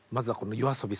ＹＯＡＳＯＢＩ